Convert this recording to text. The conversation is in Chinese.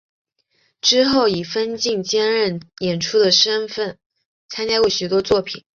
之后以分镜兼任演出的身分参加过许多作品。